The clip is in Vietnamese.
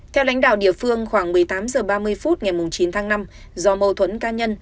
theo lãnh đạo địa phương khoảng một mươi tám h ba mươi phút ngày chín tháng năm do mâu thuẫn cá nhân